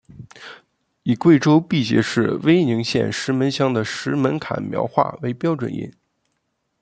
以贵州毕节市威宁县石门乡的石门坎苗话为标准音。